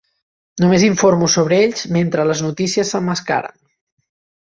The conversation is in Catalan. Només informo sobre ells mentre les notícies s'emmascaren.